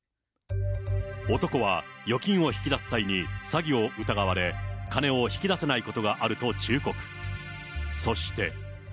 男は預金を引き出す際に、詐欺を疑われ、金を引き出せないことがあると忠告。